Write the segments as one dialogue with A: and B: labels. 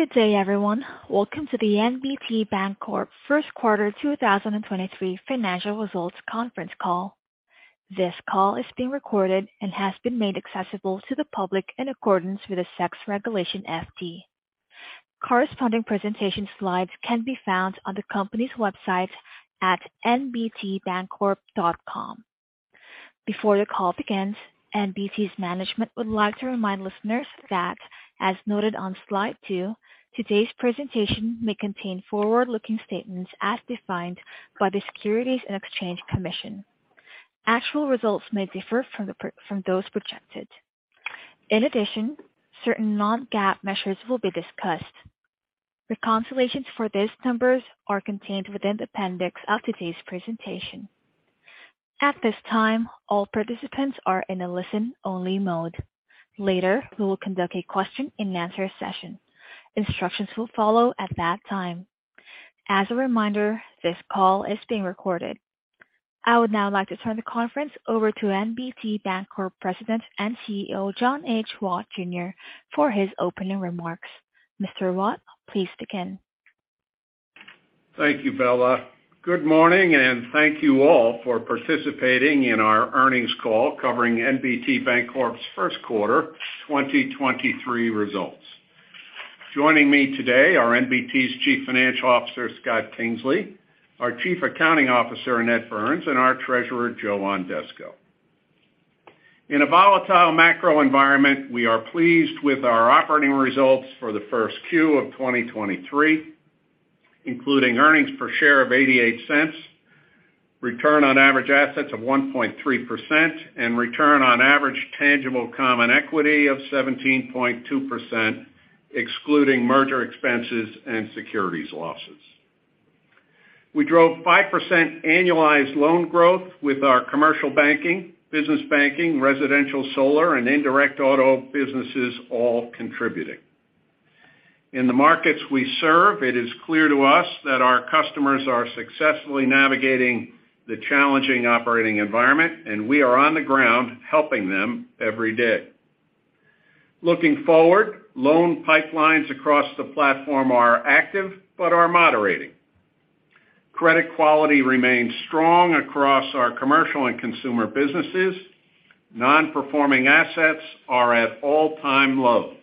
A: Good day, everyone. Welcome to the NBT Bancorp first quarter 2023 financial results conference call. This call is being recorded and has been made accessible to the public in accordance with the SEC's Regulation FD. Corresponding presentation slides can be found on the company's website at nbtbancorp.com. Before the call begins, NBT's management would like to remind listeners that, as noted on slide two, today's presentation may contain forward-looking statements as defined by the Securities and Exchange Commission. Actual results may differ from those projected. In addition, certain non-GAAP measures will be discussed. Reconciliations for these numbers are contained within the appendix of today's presentation. At this time, all participants are in a listen-only mode. Later, we will conduct a question-and-answer session. Instructions will follow at that time. As a reminder, this call is being recorded. I would now like to turn the conference over to NBT Bancorp President and CEO, John H. Watt Jr., for his opening remarks. Mr. Watt, please begin.
B: Thank you, Bella. Good morning, and thank you all for participating in our earnings call covering NBT Bancorp's first quarter 2023 results. Joining me today are NBT's Chief Financial Officer, Scott Kingsley, our Chief Accounting Officer, Annette Burns, and our Treasurer, Joe Ondesco. In a volatile macro environment, we are pleased with our operating results for the first quarter of 2023, including earnings per share of $0.88, return on average assets of 1.3%, and return on average tangible common equity of 17.2%, excluding merger expenses and securities losses. We drove 5% annualized loan growth with our commercial banking, business banking, residential solar, and indirect auto businesses all contributing. In the markets we serve, it is clear to us that our customers are successfully navigating the challenging operating environment, and we are on the ground helping them every day. Looking forward, loan pipelines across the platform are active but are moderating. Credit quality remains strong across our commercial and consumer businesses. Nonperforming Assets are at all-time lows.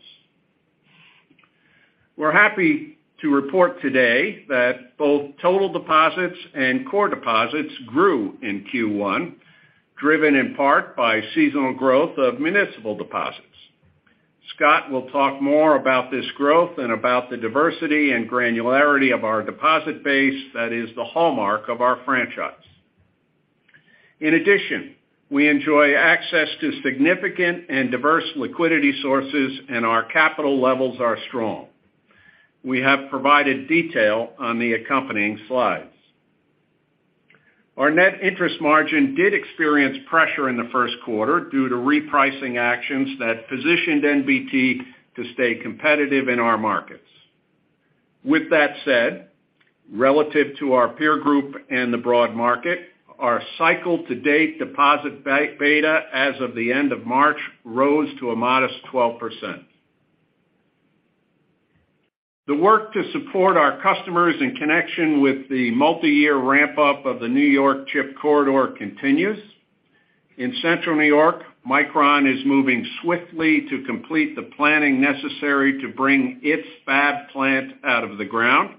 B: We're happy to report today that both total deposits and core deposits grew in Q1, driven in part by seasonal growth of municipal deposits. Scott will talk more about this growth and about the diversity and granularity of our deposit base that is the hallmark of our franchise. In addition, we enjoy access to significant and diverse liquidity sources, and our capital levels are strong. We have provided detail on the accompanying slides. Our net interest margin did experience pressure in the first quarter due to repricing actions that positioned NBT to stay competitive in our markets. With that said, relative to our peer group and the broad market, our cycle to date deposit beta as of the end of March rose to a modest 12%. The work to support our customers in connection with the multiyear ramp-up of the New York Chip Corridor continues. In Central New York, Micron is moving swiftly to complete the planning necessary to bring its fab plant out of the ground.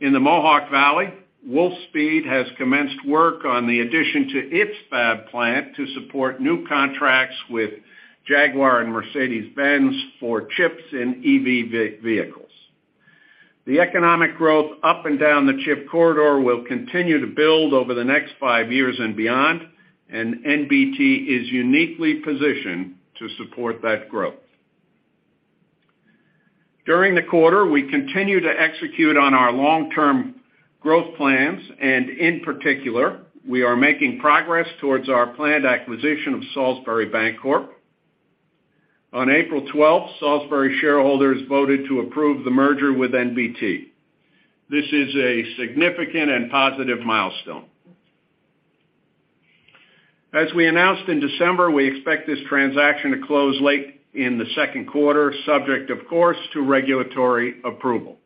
B: In the Mohawk Valley, Wolfspeed has commenced work on the addition to its fab plant to support new contracts with Jaguar and Mercedes-Benz for chips in EV vehicles. The economic growth up and down the Chip Corridor will continue to build over the next five years and beyond, and NBT is uniquely positioned to support that growth. During the quarter, we continue to execute on our long-term growth plans. In particular, we are making progress towards our planned acquisition of Salisbury Bancorp. On April 12th, Salisbury shareholders voted to approve the merger with NBT. This is a significant and positive milestone. As we announced in December, we expect this transaction to close late in the second quarter, subject, of course, to regulatory approval.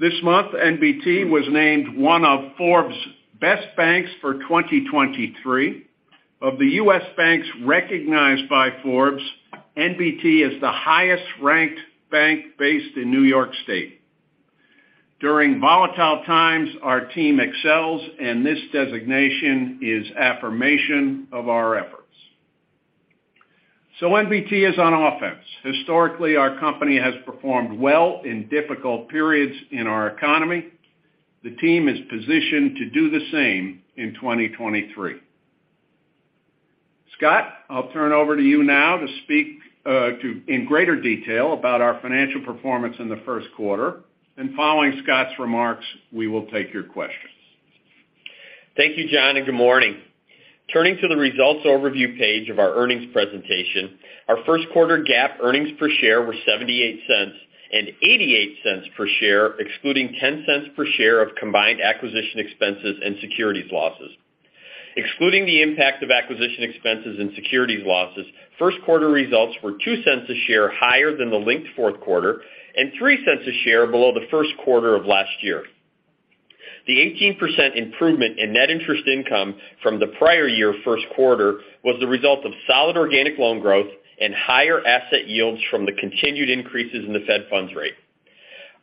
B: This month, NBT was named one of Forbes Best Banks for 2023. Of the U.S. banks recognized by Forbes, NBT is the highest ranked bank based in New York State. During volatile times, our team excels. This designation is affirmation of our efforts. NBT is on offense. Historically, our company has performed well in difficult periods in our economy. The team is positioned to do the same in 2023. Scott, I'll turn over to you now to speak in greater detail about our financial performance in the first quarter. Following Scott's remarks, we will take your questions.
C: Thank you, John. Good morning. Turning to the results overview page of our earnings presentation, our first quarter GAAP earnings per share were $0.78 and $0.88 per share, excluding $0.10 per share of combined acquisition expenses and securities losses. Excluding the impact of acquisition expenses and securities losses, first quarter results were $0.02 a share higher than the linked fourth quarter and $0.03 a share below the first quarter of last year. The 18% improvement in net interest income from the prior year first quarter was the result of solid organic loan growth and higher asset yields from the continued increases in the federal funds rate.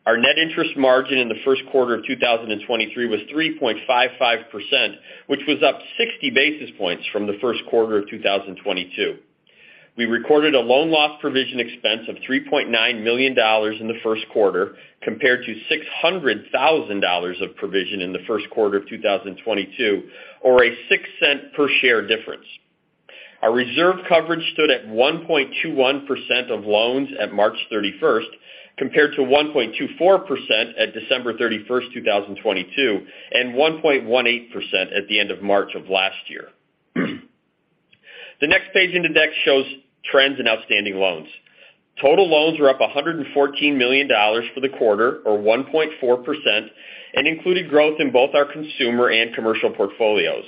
C: Our net interest margin in the first quarter of 2023 was 3.55%, which was up 60 basis points from the first quarter of 2022. We recorded a loan loss provision expense of $3.9 million in the first quarter compared to $600,000 of provision in the first quarter of 2022, or a $0.06 per share difference. Our reserve coverage stood at 1.21% of loans at March 31st, compared to 1.24% at December 31st, 2022, and 1.18% at the end of March of last year. The next page in the deck shows trends in outstanding loans. Total loans were up $114 million for the quarter, or 1.4%, and included growth in both our consumer and commercial portfolios.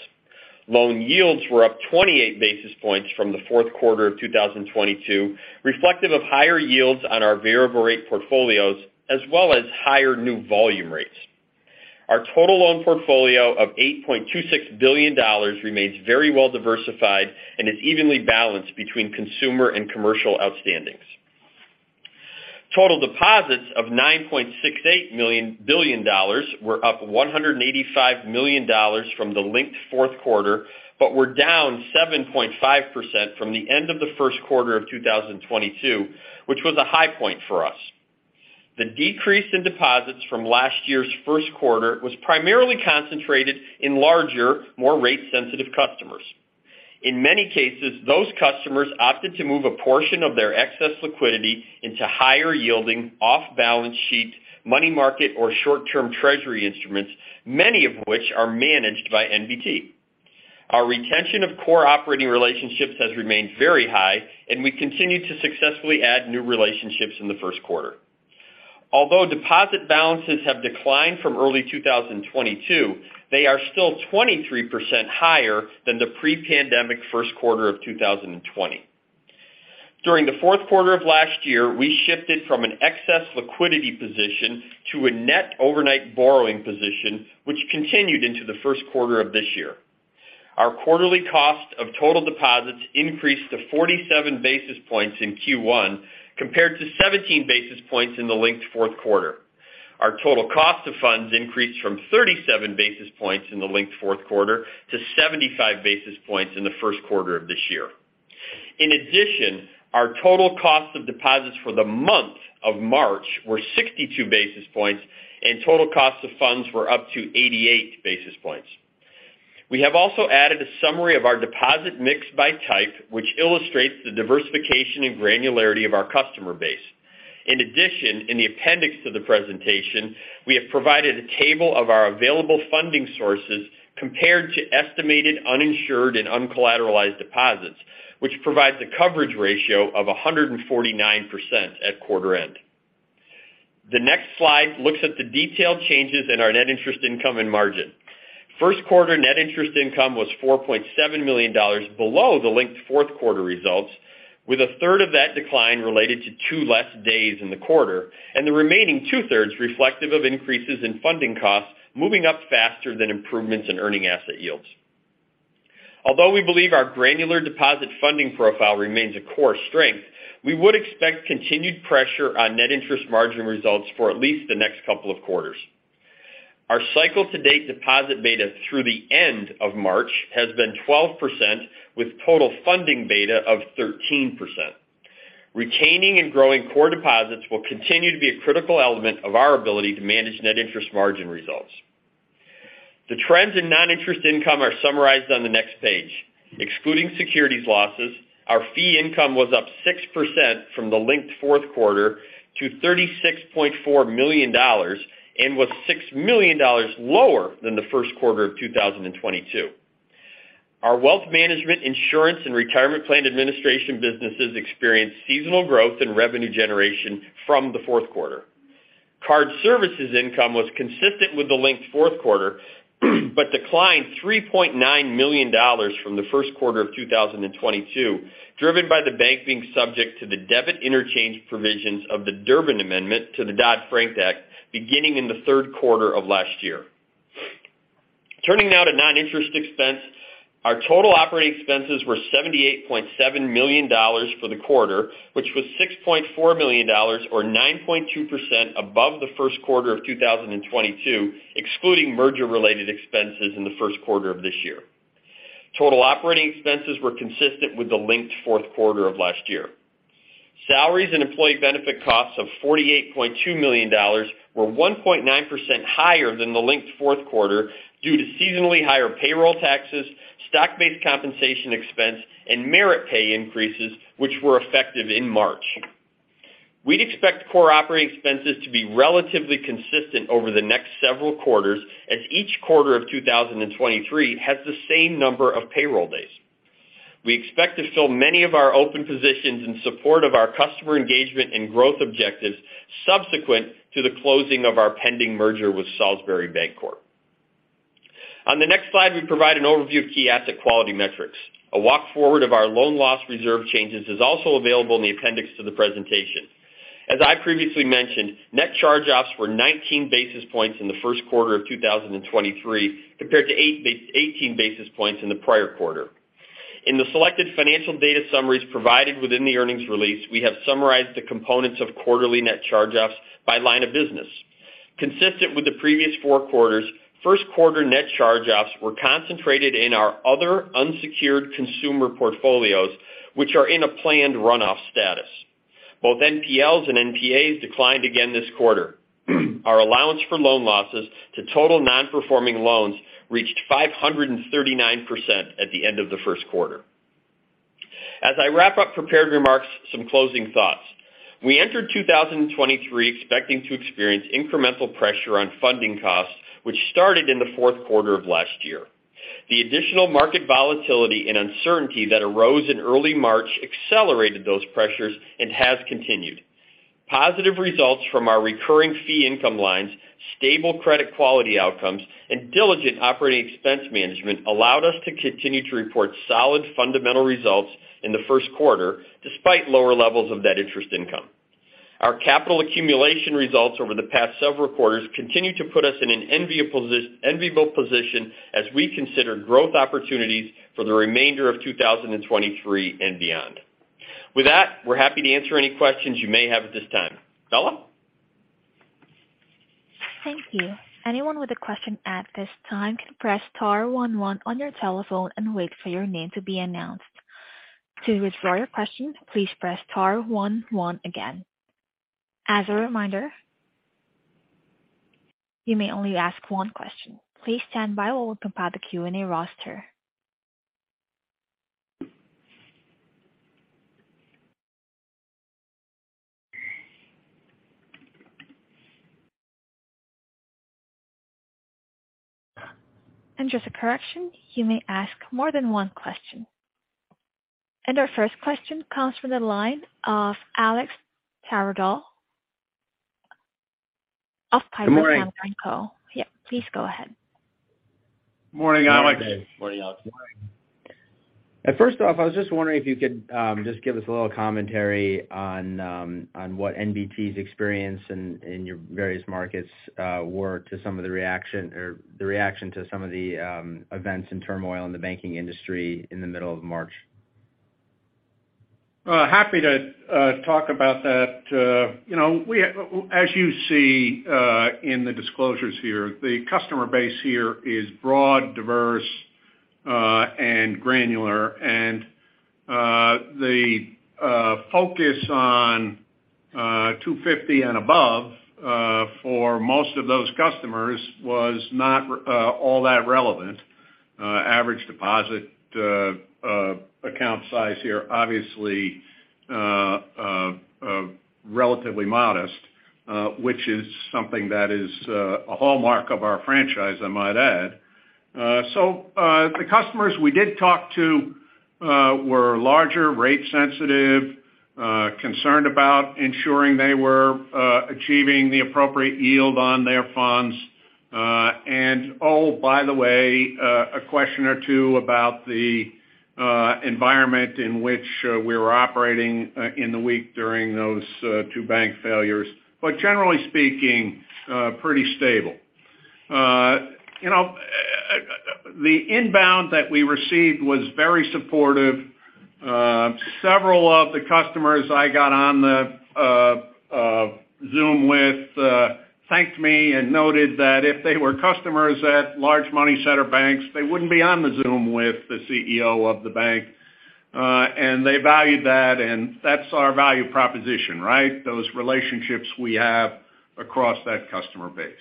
C: Loan yields were up 28 basis points from the fourth quarter of 2022, reflective of higher yields on our variable rate portfolios, as well as higher new volume rates. Our total loan portfolio of $8.26 billion remains very well diversified and is evenly balanced between consumer and commercial outstandings. Total deposits of $9.68 billion were up $185 million from the linked fourth quarter, were down 7.5% from the end of the first quarter of 2022, which was a high point for us. The decrease in deposits from last year's first quarter was primarily concentrated in larger, more rate sensitive customers. In many cases, those customers opted to move a portion of their excess liquidity into higher yielding, off-balance sheet money market or short-term treasury instruments, many of which are managed by NBT. Our retention of core operating relationships has remained very high. We continued to successfully add new relationships in the first quarter. Although deposit balances have declined from early 2022, they are still 23% higher than the pre-pandemic first quarter of 2020. During the fourth quarter of last year, we shifted from an excess liquidity position to a net overnight borrowing position, which continued into the first quarter of this year. Our quarterly cost of total deposits increased to 47 basis points in Q1 compared to 17 basis points in the linked fourth quarter. Our total cost of funds increased from 37 basis points in the linked fourth quarter to 75 basis points in the first quarter of this year. Our total cost of deposits for the month of March were 62 basis points and total cost of funds were up to 88 basis points. We have also added a summary of our deposit mix by type, which illustrates the diversification and granularity of our customer base. In the appendix to the presentation, we have provided a table of our available funding sources compared to estimated uninsured and uncollateralized deposits, which provides a coverage ratio of 149% at quarter end. The next slide looks at the detailed changes in our net interest income and margin. First quarter net interest income was $4.7 million below the linked fourth quarter results, with a third of that decline related to two less days in the quarter and the remaining two-thirds reflective of increases in funding costs moving up faster than improvements in earning asset yields. Although we believe our granular deposit funding profile remains a core strength, we would expect continued pressure on net interest margin results for at least the next couple of quarters. Our cycle to date deposit beta through the end of March has been 12%, with total funding beta of 13%. Retaining and growing core deposits will continue to be a critical element of our ability to manage net interest margin results. The trends in non-interest income are summarized on the next page. Excluding securities losses, our fee income was up 6% from the linked fourth quarter to $36.4 million and was $6 million lower than the first quarter of 2022. Our wealth management, insurance, and retirement plan administration businesses experienced seasonal growth in revenue generation from the fourth quarter. Card services income was consistent with the linked fourth quarter but declined $3.9 million from the first quarter of 2022, driven by the bank being subject to the debit interchange provisions of the Durbin Amendment to the Dodd-Frank Act beginning in the third quarter of last year. Turning now to non-interest expense. Our total operating expenses were $78.7 million for the quarter, which was $6.4 million or 9.2% above the first quarter of 2022, excluding merger related expenses in the first quarter of this year. Total operating expenses were consistent with the linked fourth quarter of last year. Salaries and employee benefit costs of $48.2 million were 1.9% higher than the linked fourth quarter due to seasonally higher payroll taxes, stock-based compensation expense, and merit pay increases which were effective in March. We'd expect core operating expenses to be relatively consistent over the next several quarters as each quarter of 2023 has the same number of payroll days. We expect to fill many of our open positions in support of our customer engagement and growth objectives subsequent to the closing of our pending merger with Salisbury Bancorp. On the next slide, we provide an overview of key asset quality metrics. A walk forward of our loan loss reserve changes is also available in the appendix to the presentation. As I previously mentioned, net charge-offs were 19 basis points in the first quarter of 2023, compared to 18 basis points in the prior quarter. In the selected financial data summaries provided within the earnings release, we have summarized the components of quarterly net charge-offs by line of business. Consistent with the previous four quarters, first quarter net charge-offs were concentrated in our other unsecured consumer portfolios, which are in a planned run-off status. Both NPLs and NPAs declined again this quarter. Our allowance for loan losses to total nonperforming loans reached 539% at the end of the first quarter. As I wrap up prepared remarks, some closing thoughts. We entered 2023 expecting to experience incremental pressure on funding costs, which started in the fourth quarter of last year. The additional market volatility and uncertainty that arose in early March accelerated those pressures and has continued. Positive results from our recurring fee income lines, stable credit quality outcomes, and diligent operating expense management allowed us to continue to report solid fundamental results in the first quarter, despite lower levels of net interest income. Our capital accumulation results over the past several quarters continue to put us in an enviable position as we consider growth opportunities for the remainder of 2023 and beyond. With that, we're happy to answer any questions you may have at this time. Bella?
A: Thank you. Anyone with a question at this time can press star one one on your telephone and wait for your name to be announced. To withdraw your question, please press star one one again. As a reminder, you may only ask one question. Please stand by while we compile the Q&A roster. Just a correction, you may ask more than one question. Our first question comes from the line of Alex Twerdahl of Piper Sandler & Co. Yeah, please go ahead.
B: Morning, Alex.
D: Morning
C: Morning, Alex.
B: Morning.
D: First off, I was just wondering if you could just give us a little commentary on on what NBT's experience in your various markets were to the reaction to some of the events and turmoil in the banking industry in the middle of March?
B: Happy to talk about that. You know, we as you see in the disclosures here, the customer base here is broad, diverse, and granular. The focus on 250 and above for most of those customers was not all that relevant. Average deposit account size here, obviously, relatively modest, which is something that is a hallmark of our franchise, I might add. The customers we did talk to were larger, rate-sensitive, concerned about ensuring they were achieving the appropriate yield on their funds. Oh, by the way, a question or two about the environment in which we were operating in the week during those two bank failures. Generally speaking, pretty stable. You know, the inbound that we received was very supportive. Several of the customers I got on the Zoom with thanked me and noted that if they were customers at large money center banks, they wouldn't be on the Zoom with the CEO of the bank. They valued that, and that's our value proposition, right? Those relationships we have across that customer base.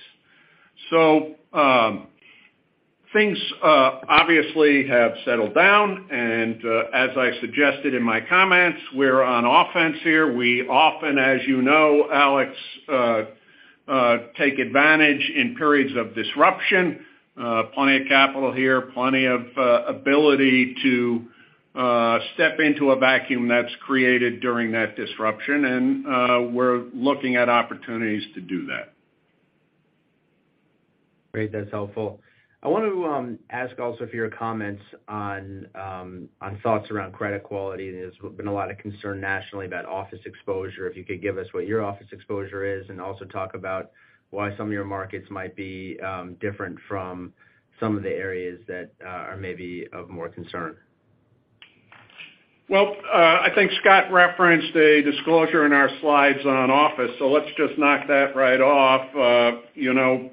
B: Things obviously have settled down. As I suggested in my comments, we're on offense here. We often, as you know, Alex, take advantage in periods of disruption. Plenty of capital here, plenty of ability to step into a vacuum that's created during that disruption. We're looking at opportunities to do that.
D: Great. That's helpful. I wanted to ask also for your comments on thoughts around credit quality. There's been a lot of concern nationally about office exposure. If you could give us what your office exposure is and also talk about why some of your markets might be different from some of the areas that are maybe of more concern.
B: Well, I think Scott referenced a disclosure in our slides on office. Let's just knock that right off. You know,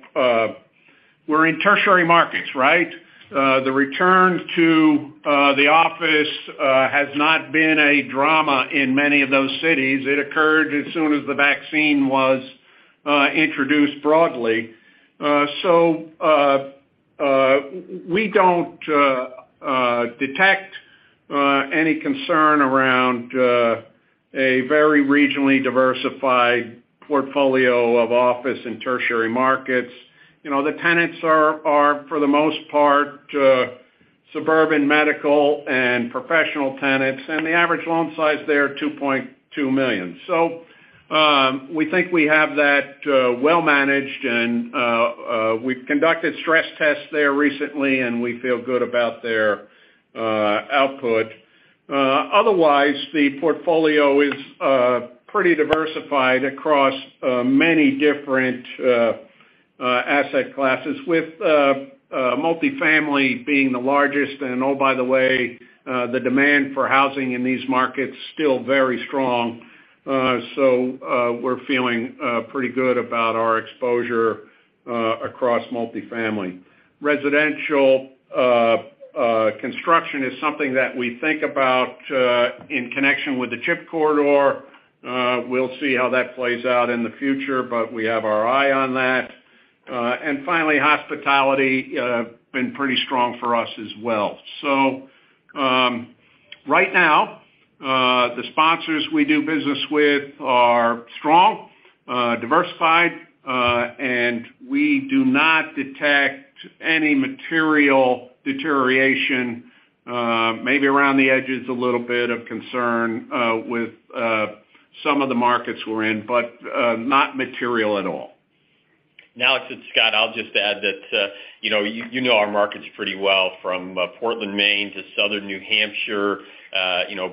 B: we're in tertiary markets, right? The return to the office has not been a drama in many of those cities. It occurred as soon as the vaccine was introduced broadly. We don't detect any concern around a very regionally diversified portfolio of office and tertiary markets. You know, the tenants are for the most part, suburban medical and professional tenants. The average loan size there, $2.2 million. We think we have that well managed. We've conducted stress tests there recently, and we feel good about their output. Otherwise, the portfolio is pretty diversified across many different asset classes with multifamily being the largest. By the way, the demand for housing in these markets still very strong. We're feeling pretty good about our exposure across multifamily. Residential construction is something that we think about in connection with the Chip Corridor. We'll see how that plays out in the future, but we have our eye on that. Finally, hospitality, been pretty strong for us as well. Right now, the sponsors we do business with are strong, diversified, and we do not detect any material deterioration, maybe around the edges, a little bit of concern with some of the markets we're in, but not material at all.
C: It's Scott. I'll just add that, our markets pretty well from Portland, Maine to Southern New Hampshire,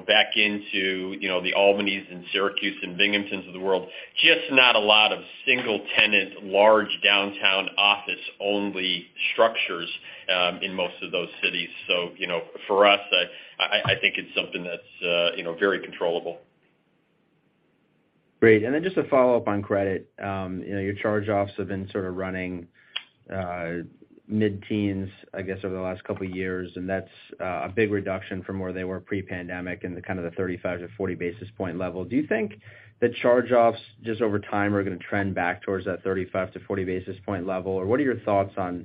C: back into the Albanys and Syracuse and Binghamton of the world. Just not a lot of single tenant, large downtown office-only structures, in most of those cities. You know, for us, I think it's something that's very controllable.
D: Great. Just to follow up on credit, your charge-offs have been running, mid-teens, I guess, over the last couple of years, and that's, a big reduction from where they were pre-pandemic in the 35 to 40 basis point level. Do you think the charge-offs just over time are gonna trend back towards that 35 to 40 basis point level? Or what are your thoughts on,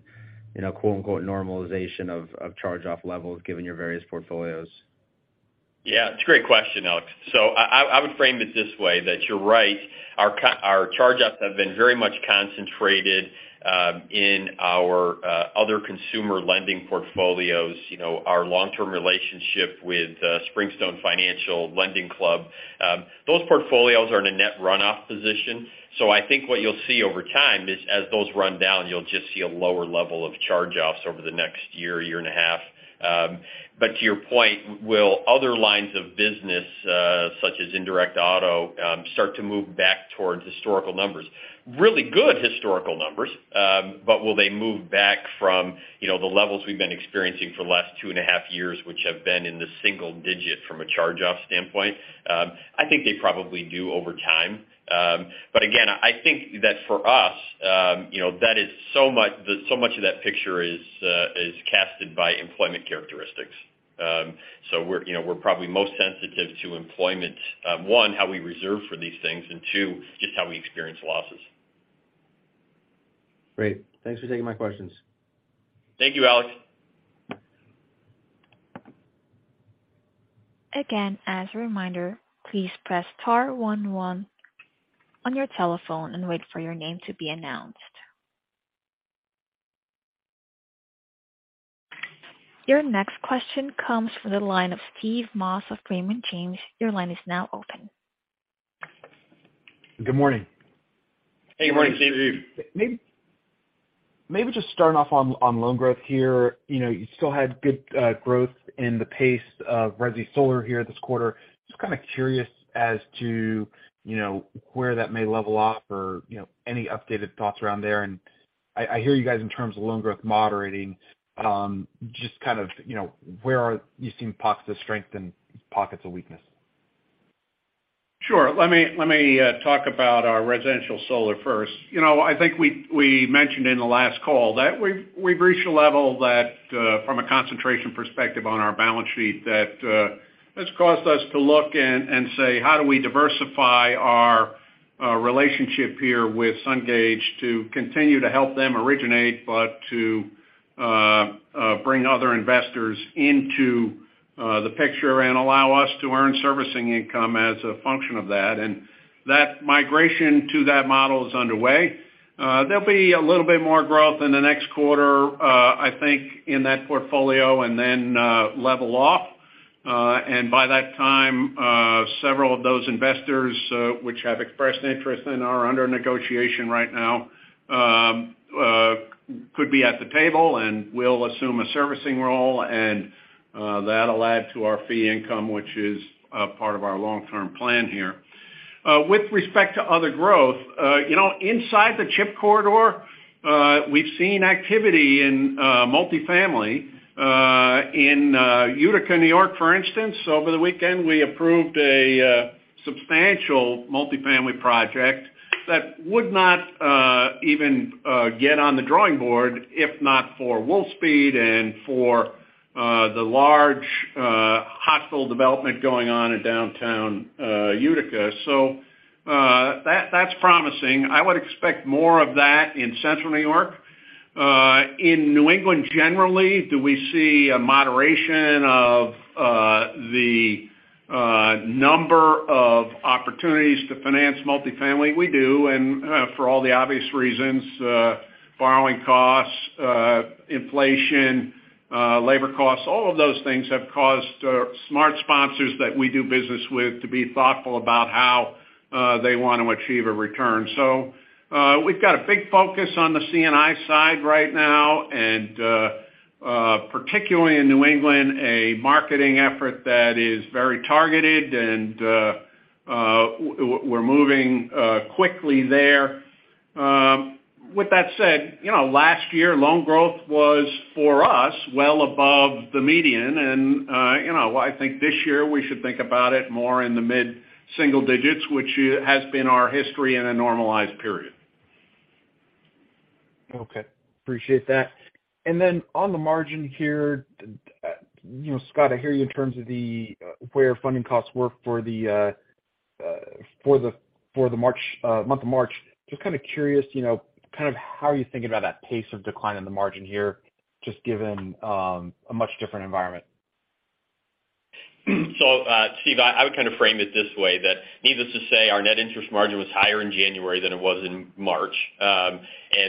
D: quote-unquote, normalization of charge-off levels given your various portfolios?
C: Yeah, it's a great question, Alex. I would frame it this way, that you're right. Our charge-offs have been very much concentrated in our other consumer lending portfolios. You know, our long-term relationship with Springstone Financial, LendingClub, those portfolios are in a net run-off position. I think what you'll see over time is, as those run down, you'll just see a lower level of charge-offs over the next year, 1.5 years. To your point, will other lines of business, such as indirect auto, start to move back towards historical numbers? Really good historical numbers, will they move back from, the levels we've been experiencing for the last 2.5 years, which have been in the single digit from a charge-off standpoint? I think they probably do over time. Again, I think that for us, that is so much of that picture is casted by employment characteristics. We're probably most sensitive to employment, one, how we reserve for these things, and two, just how we experience losses.
D: Great. Thanks for taking my questions.
C: Thank you, Alex.
A: Again, as a reminder, please press star one one on your telephone and wait for your name to be announced. Your next question comes from the line of Steve Moss of Raymond James. Your line is now open.
E: Good morning.
C: Hey, good morning, Steve.
E: Maybe just starting off on loan growth here. You know, you still had good growth in the pace of resi solar here this quarter. Just kinda curious as to where that may level off or, any updated thoughts around there. I hear you guys in terms of loan growth moderating. Just where are you seeing pockets of strength and pockets of weakness?
B: Sure. Let me talk about our residential solar first. You know, I think we mentioned in the last call that we've reached a level that, from a concentration perspective on our balance sheet that has caused us to look and say, "How do we diversify our relationship here with Sungage to continue to help them originate, but to bring other investors into the picture and allow us to earn servicing income as a function of that?" That migration to that model is underway. There'll be a little bit more growth in the next quarter, I think, in that portfolio, and then level off. By that time, several of those investors, which have expressed interest and are under negotiation right now, could be at the table and will assume a servicing role, that'll add to our fee income, which is part of our long-term plan here. With respect to other growth, inside the Chip Corridor, we've seen activity in multifamily, in Utica, New York, for instance. Over the weekend, we approved a substantial multifamily project that would not even get on the drawing board, if not for Wolfspeed and for the large hospital development going on in downtown Utica. That's promising. I would expect more of that in Central New York. In New England, generally, do we see a moderation of the number of opportunities to finance multifamily? We do, for all the obvious reasons, borrowing costs, inflation, labor costs, all of those things have caused smart sponsors that we do business with to be thoughtful about how they want to achieve a return. We've got a big focus on the C&I side right now, we're moving quickly there. With that said, last year, loan growth was, for us, well above the median. You know, I think this year we should think about it more in the mid-single digits, which has been our history in a normalized period.
E: Okay. Appreciate that. Then on the margin here, Scott, I hear you in terms of the where funding costs were for the March, month of March. Just curious, how are you thinking about that pace of decline in the margin here, just given, a much different environment?
C: Steve, I would frame it this way, that needless to say, our Net interest margin was higher in January than it was in March. And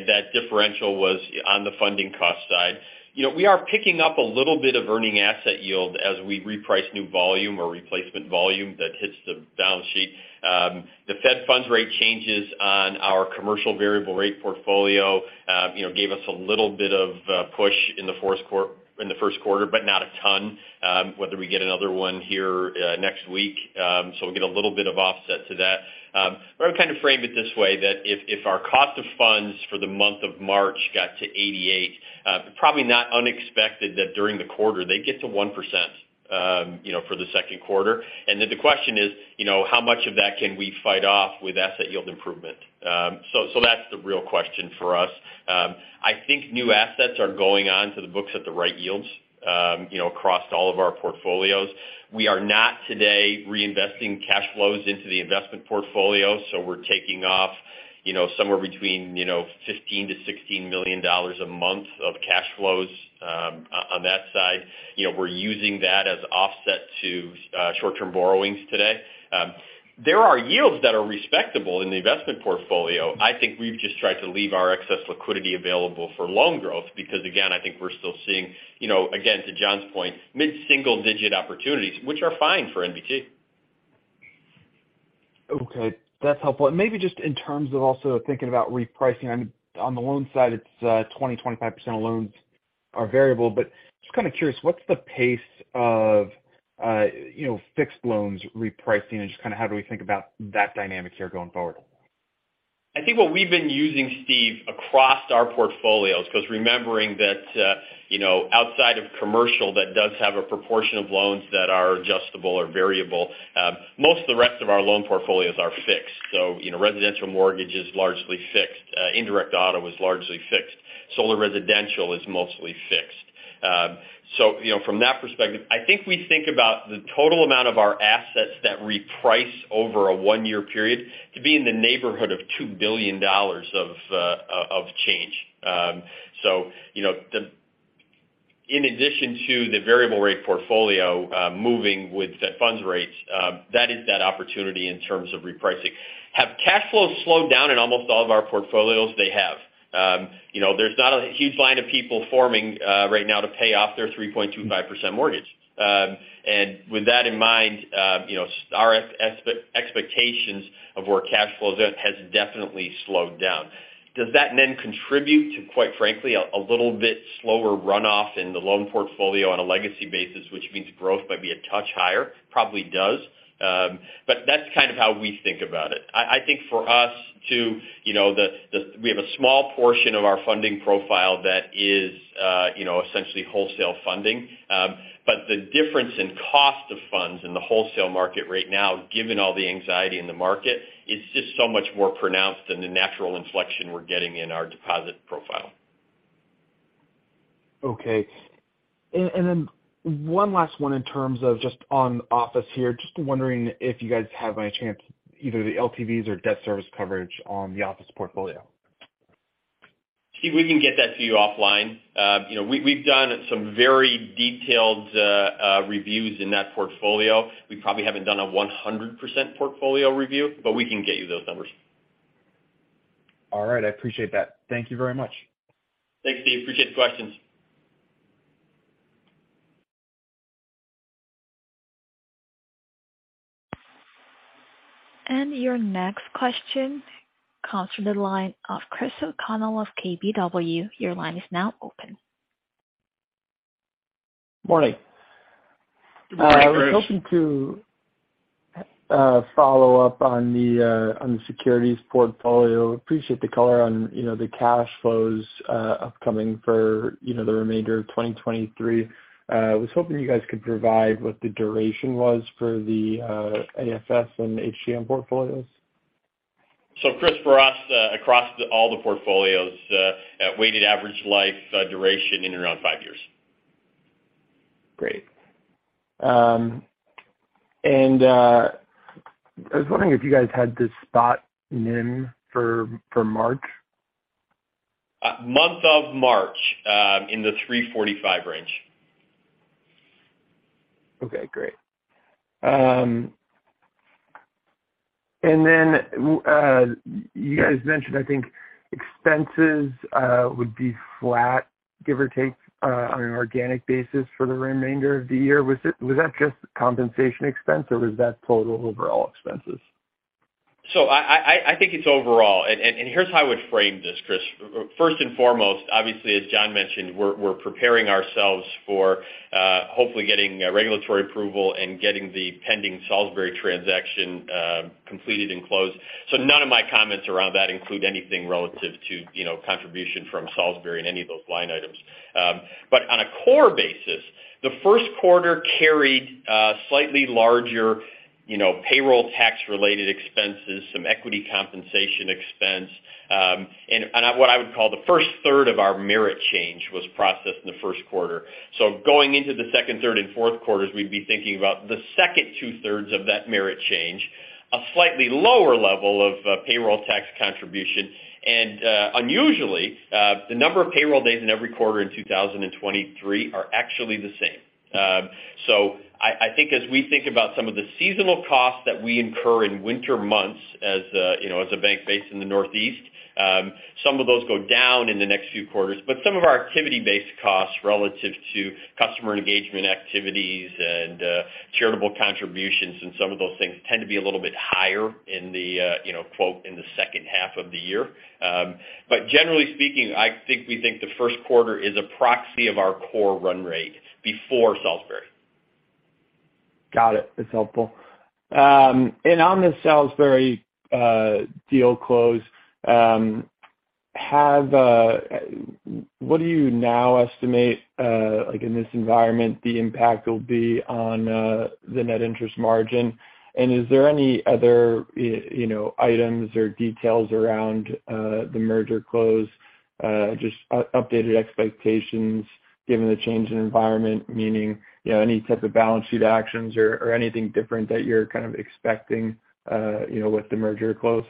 C: that differential was on the funding cost side. You know, we are picking up a little bit of earning asset yield as we reprice new volume or replacement volume that hits the balance sheet. The federal funds rate changes on our commercial variable rate portfolio gave us a little bit of push in the first quarter, but not a ton, whether we get another one here next week. We'll get a little bit of offset to that. But I would frame it this way, that if our cost of funds for the month of March got to 0.88%, probably not unexpected that during the quarter they'd get to 1%, for the second quarter. The question is how much of that can we fight off with asset yield improvement? So that's the real question for us. I think new assets are going on to the books at the right yields, across all of our portfolios. We are not today reinvesting cash flows into the investment portfolio, so we're taking off, somewhere between $15 million-$16 million a month of cash flows on that side. You know, we're using that as offset to short-term borrowings today. There are yields that are respectable in the investment portfolio. I think we've just tried to leave our excess liquidity available for loan growth because again, I think we're still seeing, again, to John's point, mid-single digit opportunities, which are fine for NBT.
E: Okay, that's helpful. Maybe just in terms of also thinking about repricing, I mean, on the loan side it's 20, 25% of loans are variable, but just curious, what's the pace of fixed loans repricing, and just kind of how do we think about that dynamic here going forward?
C: I think what we've been using, Steve, across our portfolios, 'cause remembering that outside of commercial that does have a proportion of loans that are adjustable or variable, most of the rest of our loan portfolios are fixed. You know, residential mortgage is largely fixed. Indirect auto is largely fixed. Solar residential is mostly fixed. You know, from that perspective, I think we think about the total amount of our assets that reprice over a one-year period to be in the neighborhood of $2 billion of change. You know, In addition to the variable rate portfolio, moving with set funds rates, that is that opportunity in terms of repricing. Have cash flows slowed down in almost all of our portfolios? They have. You know, there's not a huge line of people forming right now to pay off their 3.25% mortgage. With that in mind, our expectations of where cash flows is has definitely slowed down. Does that then contribute to, quite frankly, a little bit slower runoff in the loan portfolio on a legacy basis, which means growth might be a touch higher? Probably does. That's how we think about it. I think for us to, we have a small portion of our funding profile that is essentially wholesale funding. The difference in cost of funds in the wholesale market right now, given all the anxiety in the market, is just so much more pronounced than the natural inflection we're getting in our deposit profile.
E: Okay. Then one last one in terms of just on office here. Just wondering if you guys have by any chance either the LTVs or debt service coverage on the office portfolio.
C: Steve, we can get that to you offline. You know, we've done some very detailed reviews in that portfolio. We probably haven't done a 100% portfolio review, but we can get you those numbers.
E: All right, I appreciate that. Thank you very much.
C: Thanks, Steve. Appreciate the questions.
A: Your next question comes from the line of Chris O'Connell of KBW. Your line is now open.
F: Morning.
C: Good morning, Chris.
F: I was hoping to follow up on the on the securities portfolio. Appreciate the color on the cash flows, upcoming for the remainder of 2023. Was hoping you guys could provide what the duration was for the AFS and HTM portfolios.
C: Chris, for us, across all the portfolios, weighted average life, duration in and around five years.
F: Great. I was wondering if you guys had the spot NIM for March?
C: Month of March, in the 345 range.
F: Okay, great. You guys mentioned, I think, expenses would be flat, give or take, on an organic basis for the remainder of the year. Was that just compensation expense or was that total overall expenses?
C: I think it's overall. Here's how I would frame this, Chris. First and foremost, obviously, as John mentioned, we're preparing ourselves for hopefully getting regulatory approval and getting the pending Salisbury transaction completed and closed. None of my comments around that include anything relative to, contribution from Salisbury in any of those line items. On a core basis, the first quarter carried slightly larger payroll tax-related expenses, some equity compensation expense, and what I would call the first third of our merit change was processed in the first quarter. Going into the second, third, and fourth quarters, we'd be thinking about the second two-thirds of that merit change, a slightly lower level of payroll tax contribution. Unusually, the number of payroll days in every quarter in 2023 are actually the same. I think as we think about some of the seasonal costs that we incur in winter months as a bank based in the Northeast, some of those go down in the next few quarters. Some of our activity-based costs relative to customer engagement activities and charitable contributions and some of those things tend to be a little bit higher in the quote, in the second half of the year. Generally speaking, I think we think the first quarter is a proxy of our core run rate before Salisbury.
F: Got it. That's helpful. And on the Salisbury deal close, have, what do you now estimate, uh, like in this environment, the impact will be on the net interest margin? And is there any other, items or details around, the merger close, just updated expectations given the change in environment, meaning any type of balance sheet actions or anything different that you're expecting with the merger close?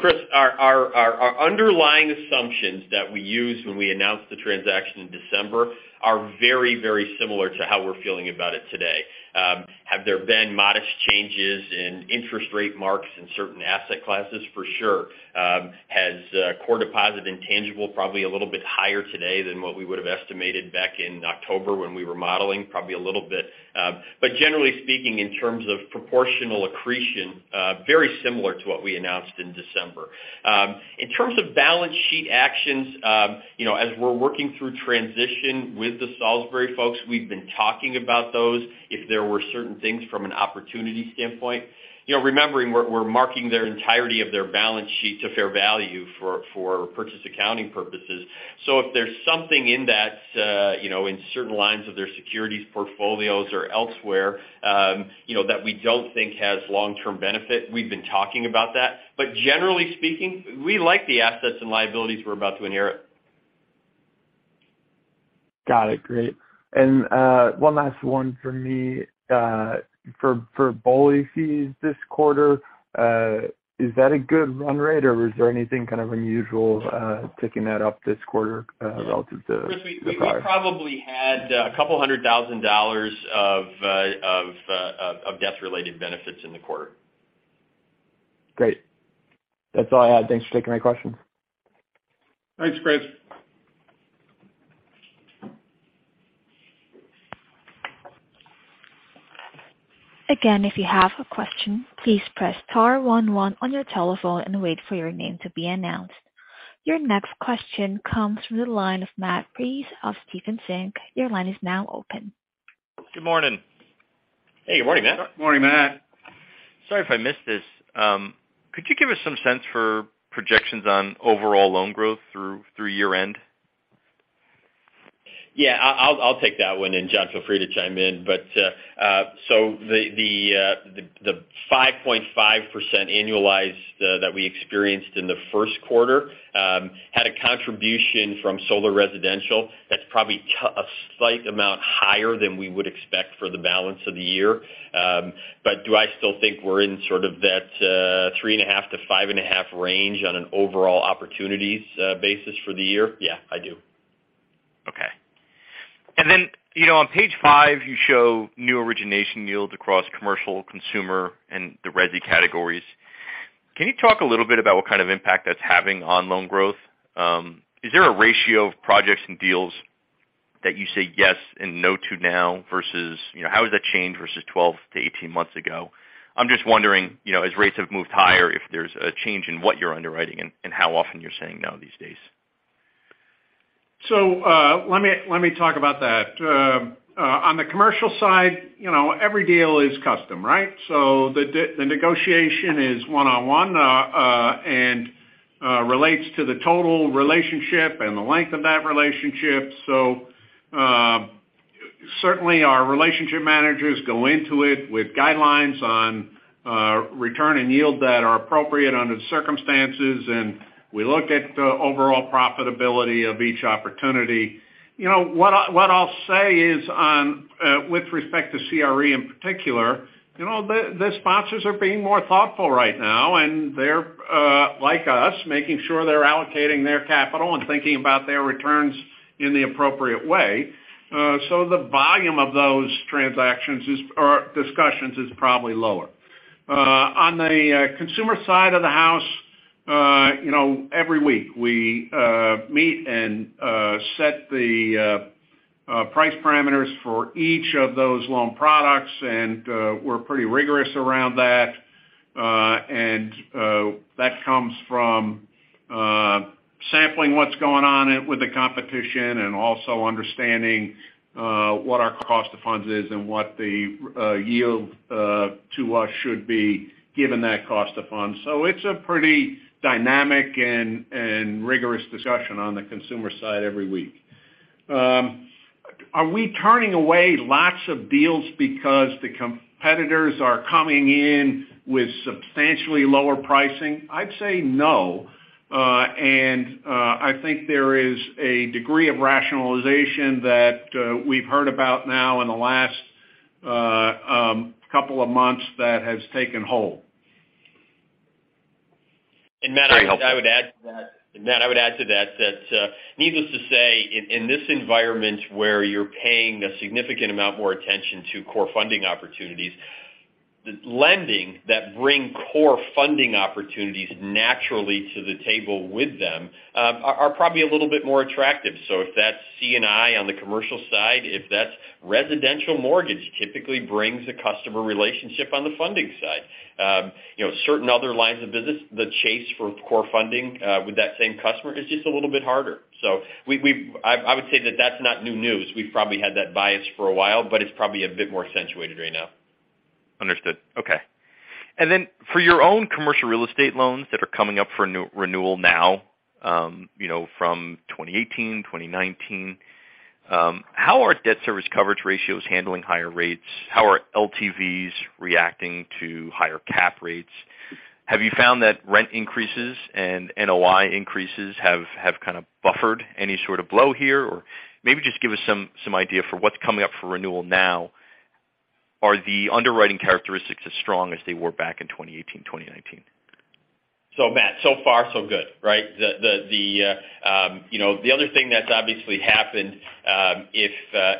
C: Chris, our underlying assumptions that we used when we announced the transaction in December are very similar to how we're feeling about it today. Have there been modest changes in interest rate marks in certain asset classes? For sure. Has core deposit and tangible probably a little bit higher today than what we would have estimated back in October when we were modeling? Probably a little bit. Generally speaking, in terms of proportional accretion, very similar to what we announced in December. In terms of balance sheet actions, as we're working through transition with the Salisbury folks, we've been talking about those if there were certain things from an opportunity standpoint. You know, remembering we're marking their entirety of their balance sheet to fair value for purchase accounting purposes. If there's something in that, in certain lines of their securities portfolios or elsewhere, that we don't think has long-term benefit, we've been talking about that. Generally speaking, we like the assets and liabilities we're about to inherit.
F: Got it. Great. One last one for me. For BOLI fees this quarter, is that a good run rate, or is there anything unusual, ticking that up this quarter, relative to the prior?
C: Chris, we probably had $200,000 of death-related benefits in the quarter.
F: Great. That's all I had. Thanks for taking my questions.
C: Thanks, Chris.
A: If you have a question, please press star one one on your telephone and wait for your name to be announced. Your next question comes from the line of Matt Breese of Stephens Inc. Your line is now open.
G: Good morning.
C: Hey, good morning, Matt.
B: Morning, Matt.
G: Sorry if I missed this. Could you give us some sense for projections on overall loan growth through year-end?
C: Yeah, I'll take that one. John, feel free to chime in. So the 5.5% annualized that we experienced in the first quarter had a contribution from solar residential that's probably a slight amount higher than we would expect for the balance of the year. Do I still think we're in that 3.5%-5.5% range on an overall opportunities basis for the year? Yeah, I do.
G: Okay. You know, on page five, you show new origination yields across commercial, consumer, and the resi categories. Can you talk a little bit about what impact that's having on loan growth? Is there a ratio of projects and deals that you say yes and no to now versus, how has that changed versus 12-18 months ago? I'm just wondering, as rates have moved higher, if there's a change in what you're underwriting and how often you're saying no these days.
B: Let me talk about that. On the commercial side, every deal is custom, right? The negotiation is one-on-one, and relates to the total relationship and the length of that relationship. Certainly our relationship managers go into it with guidelines on return and yield that are appropriate under the circumstances, and we look at the overall profitability of each opportunity. You know, what I, what I'll say is on, with respect to CRE in particular, the sponsors are being more thoughtful right now, and they're, like us, making sure they're allocating their capital and thinking about their returns in the appropriate way. The volume of those transactions or discussions is probably lower. On the consumer side of the house, every week we meet and set the price parameters for each of those loan products, we're pretty rigorous around that. That comes from sampling what's going on with the competition and also understanding what our cost of funds is and what the yield to us should be given that cost of funds. It's a pretty dynamic and rigorous discussion on the consumer side every week. Are we turning away lots of deals because the competitors are coming in with substantially lower pricing? I'd say no. I think there is a degree of rationalization that we've heard about now in the last couple of months that has taken hold.
C: Matt, I would add to that. Matt, I would add to that, needless to say, in this environment where you're paying a significant amount more attention to core funding opportunities, the lending that bring core funding opportunities naturally to the table with them, are probably a little bit more attractive. If that's C&I on the commercial side, if that's residential mortgage typically brings a customer relationship on the funding side. You know, certain other lines of business, the chase for core funding, with that same customer is just a little bit harder. We've, I would say that that's not new news. We've probably had that bias for a while, but it's probably a bit more accentuated right now.
G: Understood. Okay. Then for your own commercial real estate loans that are coming up for new renewal now from 2018, 2019, how are debt service coverage ratios handling higher rates? How are LTVs reacting to higher cap rates? Have you found that rent increases and NOI increases have buffered any blow here? Maybe just give us some idea for what's coming up for renewal now. Are the underwriting characteristics as strong as they were back in 2018, 2019?
C: Matt, so far so good, right? The other thing that's obviously happened, if,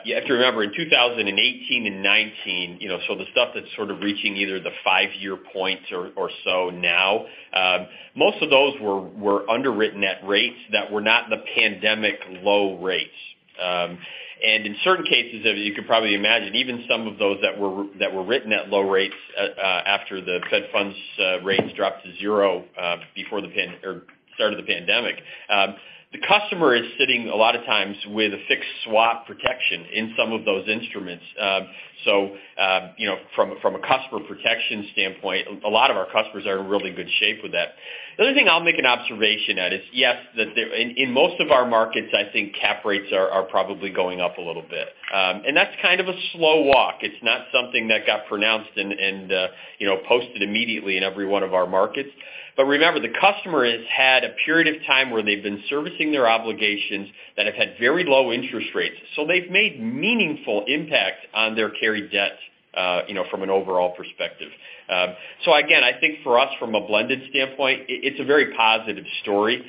C: you have to remember in 2018 and 2019, so the stuff that's reaching either the five-year point or so now, most of those were underwritten at rates that were not the pandemic low rates. In certain cases, as you can probably imagine, even some of those that were written at low rates, after the Fed funds rates dropped to 0, before the start of the pandemic. The customer is sitting a lot of times with a fixed swap protection in some of those instruments. You know, from a, from a customer protection standpoint, a lot of our customers are in really good shape with that. The other thing I'll make an observation at is, yes, in most of our markets, I think cap rates are probably going up a little bit. That's a slow walk. It's not something that got pronounced and posted immediately in every one of our markets. Remember, the customer has had a period of time where they've been servicing their obligations that have had very low interest rates. They've made meaningful impacts on their carry debt from an overall perspective. Again, I think for us, from a blended standpoint, it's a very positive story.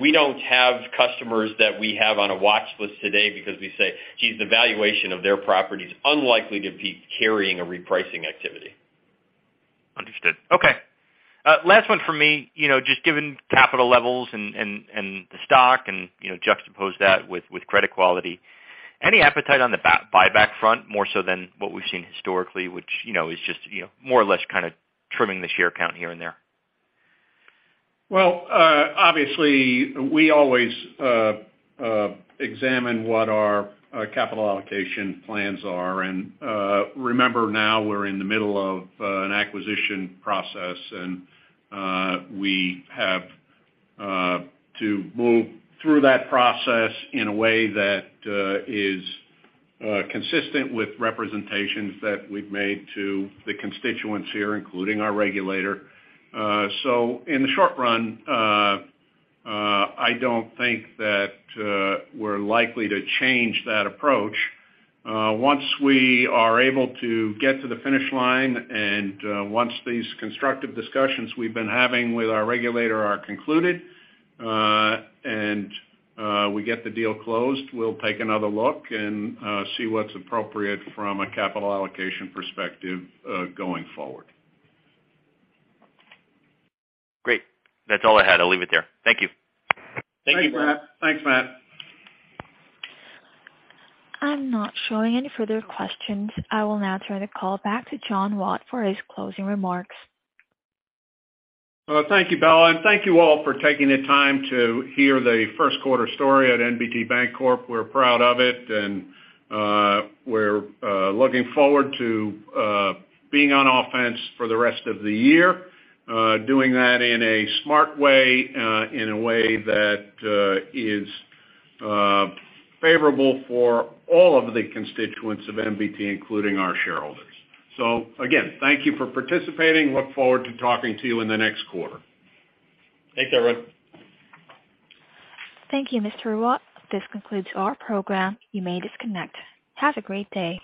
C: We don't have customers that we have on a watch list today because we say, "Geez, the valuation of their property is unlikely to be carrying a repricing activity."
G: Understood. Okay. Last one for me. You know, just given capital levels and the stock and juxtapose that with credit quality. Any appetite on the buy-back front, more so than what we've seen historically, which is just, more or less trimming the share count here and there?
B: Obviously, we always examine what our capital allocation plans are. Remember now we're in the middle of an acquisition process, and we have to move through that process in a way that is consistent with representations that we've made to the constituents here, including our regulator. In the short run, I don't think that we're likely to change that approach. Once we are able to get to the finish line and once these constructive discussions we've been having with our regulator are concluded, and we get the deal closed, we'll take another look and see what's appropriate from a capital allocation perspective, going forward.
G: Great. That's all I had. I'll leave it there. Thank you.
B: Thank you.
C: Thanks, Matt.
A: I'm not showing any further questions. I will now turn the call back to John Watt for his closing remarks.
B: Well, thank you, Bella, thank you all for taking the time to hear the first quarter story at NBT Bancorp. We're proud of it and, we're, looking forward to, being on offense for the rest of the year, doing that in a smart way, in a way that, is, favorable for all of the constituents of NBT, including our shareholders. Again, thank you for participating. Look forward to talking to you in the next quarter. Thanks, everyone.
A: Thank you, Mr. Watt. This concludes our program. You may disconnect. Have a great day.